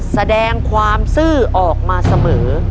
แสดงความซื่อออกมาเสมอ